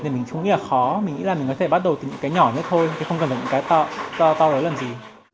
thì mình chú nghĩ là khó mình nghĩ là mình có thể bắt đầu từ những cái nhỏ nhất thôi không cần là những cái to lớn làm gì